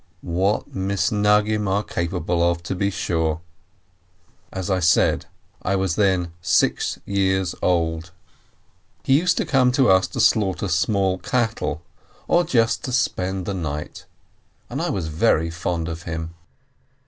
What Misnagdim are capable of, to be sure ! As I said, I was then six years old. He used to come to us to slaughter small cattle, or just to spend the 68 PEREZ night, and I was very fond of him.